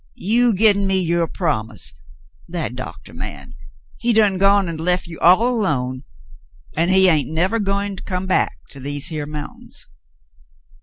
"You gin me your promise. That doctah man, he done gone an' lef you all alone, and he ain't nevah goin' to come back to these here mountins."